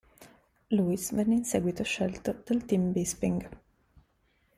Louis venne in seguito scelto dal Team Bisping.